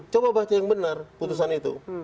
coba baca yang benar putusan itu